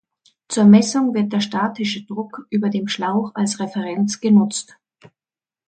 Zur Messung wird der statische Druck über dem Schlauch als Referenz genutzt.